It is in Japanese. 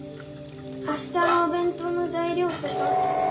明日のお弁当の材料とか。